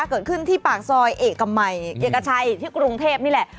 เกิดขึ้นที่ปากซอยเอกมัยเอกชัยที่กรุงเทพนี่แหละ